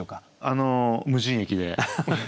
あの「無人駅」で。